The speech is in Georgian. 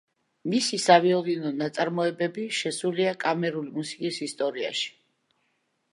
მისი სავიოლინო ნაწარმოებები შესულია კამერული მუსიკის ისტორიაში.